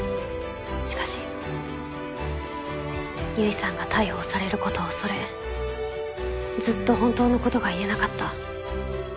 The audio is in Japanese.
しかし結衣さんが逮捕されることを恐れずっと本当のことが言えなかった。